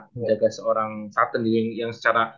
menjaga seorang sutton yang secara